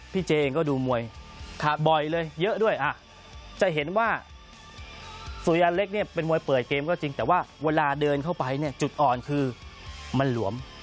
เจเองก็ดูมวยบ่อยเลยเยอะด้วยจะเห็นว่าสุริยันเล็กเนี่ยเป็นมวยเปิดเกมก็จริงแต่ว่าเวลาเดินเข้าไปเนี่ยจุดอ่อนคือมันหลวม